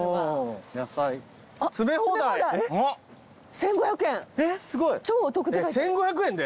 １，５００円で？